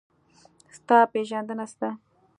ستا پېژندنه څه ده؟